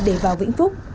để vào vĩnh phúc